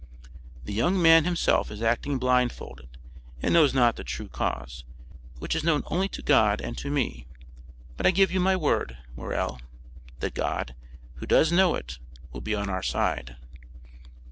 "The young man himself is acting blindfolded, and knows not the true cause, which is known only to God and to me; but I give you my word, Morrel, that God, who does know it, will be on our side."